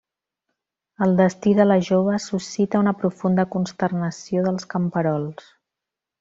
El destí de la jove suscita una profunda consternació dels camperols.